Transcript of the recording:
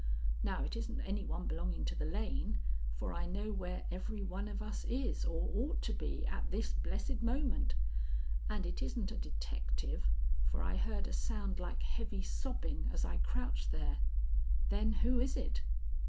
Now it isn't any one belonging to the lane, for I know where every one of us is or ought to be at this blessed moment; and it isn't a detective, for I heard a sound like heavy sobbing as I crouched there. Then who is it?